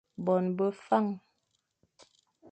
Bon be Fañ.